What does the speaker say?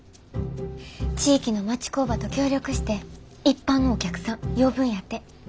地域の町工場と協力して一般のお客さん呼ぶんやて。